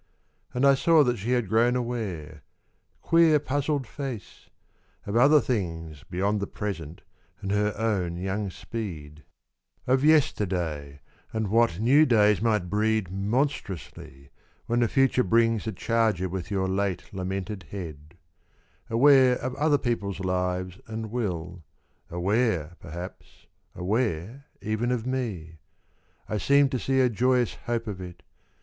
And I saw that she had grown aware, Queer puzzled face ! of other things Beyond the present and her own young speed ; 31 Valedictory. Of yesterday and what new days might breed Monstrously, when the future brings A charger with your late lamented head ; Aware of other people's lives and will, Aware, perhaps, aware even of me. ... I seemed to see a joyous hope of it.